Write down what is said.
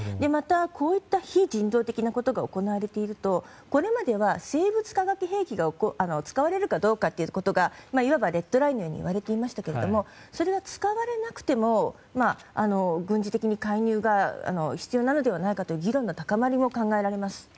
また、こういった非人道的なことが行われているとこれまでは生物・化学兵器が使われるかどうかということがいわばレッドラインと言われていましたがそれが使われなくても軍事的に介入が必要なのではないかという議論の高まりも考えられます。